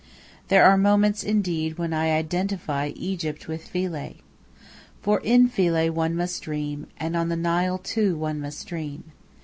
There are moments, indeed, when I identify Egypt with Philae. For in Philae one must dream; and on the Nile, too, one must dream.